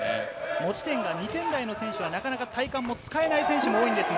持ち点が２点台の選手はなかなか体幹が使えない選手も多いんですが。